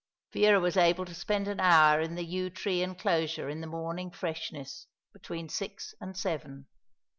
Vera was able to spend an hour in the yew tree enclosure in the morning freshness, between six and seven.